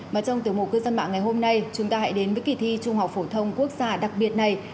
và trong tiểu mục cư dân mạng ngày hôm nay chúng ta hãy đến với kỳ thi trung học phổ thông quốc gia đặc biệt này